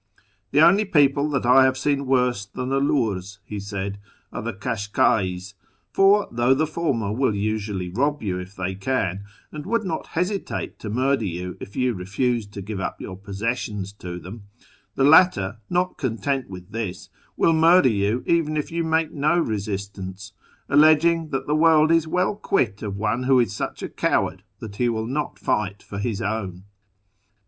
" The only people that I have seen worse than the Lurs," he said, " are the Kashka'is, for though the former will usually rob you if they can, and would not hesitate to murder you if you refused to give up your possessions to them, the latter, not FROM TEHERAN to ISFAHAN 193 content with this, will murder you even if you make no resist ance, alleging that the world is well quit of one who is such a coward that he will not fight for his own."